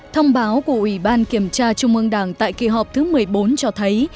thông báo của ủy ban kiểm tra trung ương đảng tại kỳ họp thứ một mươi bốn cho thấy